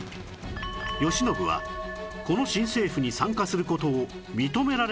慶喜はこの新政府に参加する事を認められませんでした